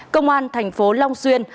công an thành phố long xuyên